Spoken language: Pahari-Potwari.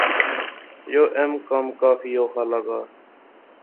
یہ ایہ کم کافی اوخا لغا